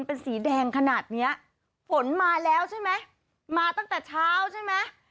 เป็นสีแดงขนาดเนี้ยฝนมาแล้วใช่ไหมมาตั้งแต่เช้าใช่ไหม